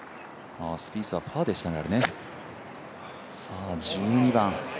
スピースはパーでしたね。